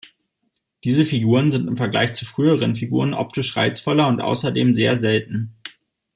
Diese Figuren sind im Vergleich zu früheren Figuren optisch reizvoller und außerdem sehr selten.